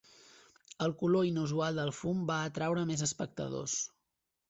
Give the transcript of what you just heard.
El color inusual del fum va atraure més espectadors.